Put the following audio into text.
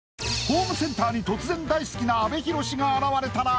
ホームセンターに突然大好きな阿部寛が現れたら？